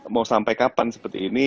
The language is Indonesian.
mau sampai kapan seperti ini